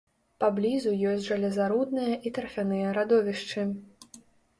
Паблізу ёсць жалезарудныя і тарфяныя радовішчы.